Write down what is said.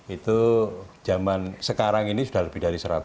itu zaman sekarang ini sudah lebih dari seratus